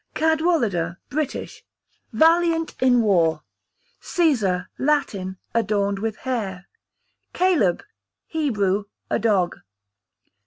Cadwallader, British, valiant in war. Cæsar, Latin, adorned with hair. Caleb, Hebrew, a dog.